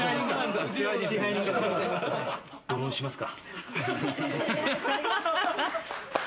どろんしますか。